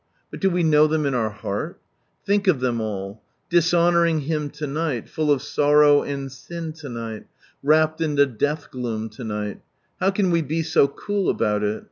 But do we know them in our heart f Think of them all : dishonouring Him to night, full of sorrow and sin to night : wrapped in the death gloom to night How can we be so cool about it?